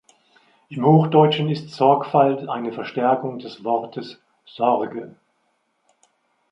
Im Hochdeutschen ist Sorgfalt eine Verstärkung des Wortes „Sorge“.